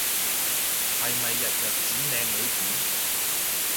係咪日日剪靚女片？